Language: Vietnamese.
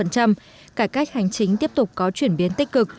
cải cách hành chính tiếp tục có chuyển biến tích cực